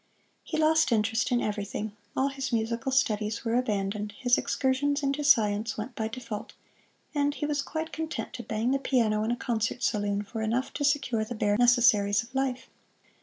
He lost interest in everything. All his musical studies were abandoned, his excursions into science went by default, and he was quite content to bang the piano in a concert saloon for enough to secure the bare necessaries of life.